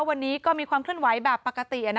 วันนี้ก็มีความเคลื่อนไหวแบบปกติ